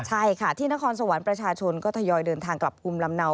ใช่ค่ะที่นครสวรรค์ประชาชนก็ทยอยเดินทางกลับภูมิลำเนา